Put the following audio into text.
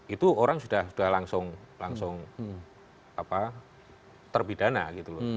itu orang sudah langsung terpidana gitu loh